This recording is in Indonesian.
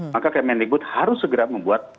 maka kemendikbud harus segera membuat